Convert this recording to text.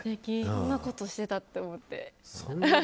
そんなことしてた？って思って。